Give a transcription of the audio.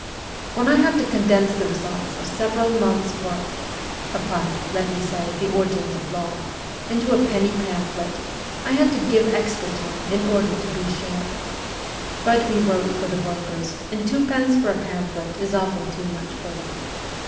When I had to condense the results of several months' work upon, let me say, the origins of law into a penny pamphlet, I had to give extra time in order to be short. But we wrote for the workers, and twopence for a pamphlet is often too much for them.